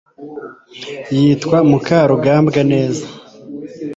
yitwa mukarugambwa neza